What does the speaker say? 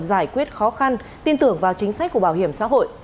giải quyết khó khăn tin tưởng vào chính sách của bảo hiểm xã hội